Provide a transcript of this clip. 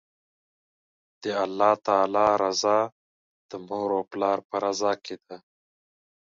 د الله تعالی رضا، د مور او پلار په رضا کی ده